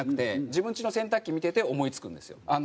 自分ちの洗濯機見てて思い付くんですよ。